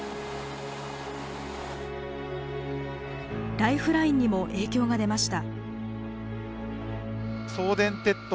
ライフラインにも影響が出ました。